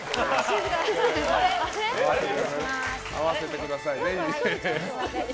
合わせてくださいね。